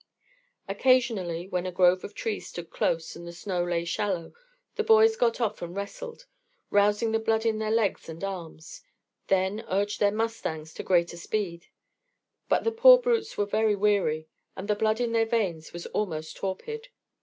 Occasionally, where a grove of trees stood close and the snow lay shallow, the boys got off and wrestled, rousing the blood in their legs and arms; then urged their mustangs to greater speed. But the poor brutes were very weary, and the blood in their veins was almost torpid.